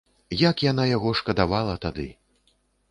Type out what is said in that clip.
Як яна яго шкадавала тады!